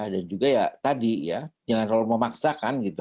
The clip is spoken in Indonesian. dan juga ya tadi ya jangan terlalu memaksakan gitu